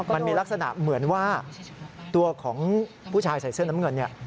มันมีลักษณะเหมือนว่าตัวของผู้ชายใส่เสื้อน้ำเงินเนี่ย